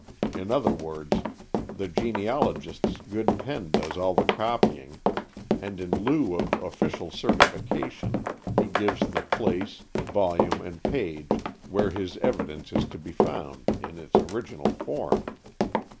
In other words, the genealogist's good pen does all the copying, and in lieu of official certification, he gives the place, volume and page where his evidence is to be found in its original form.